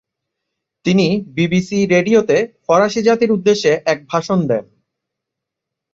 তিনি বিবিসি রেডিওতে ফরাসি জাতির উদ্দেশে এক ভাষণ দেন।